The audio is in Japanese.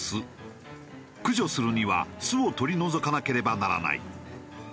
駆除するには巣を取り除かなければならない。